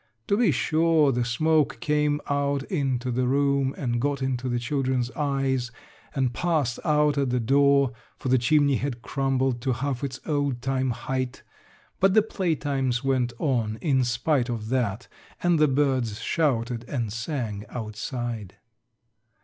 To be sure, the smoke came out into the room and got into the children's eyes and passed out at the door for the chimney had crumbled to half its old time height but the playtimes went on in spite of that and the birds shouted and sang outside.